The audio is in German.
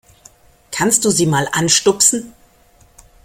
Kannst du sie mal anstupsen?